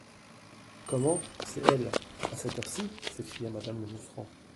Comment, c'est elle ! à cette heure-ci ! s'écria madame Josserand.